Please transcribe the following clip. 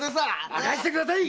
任せてください！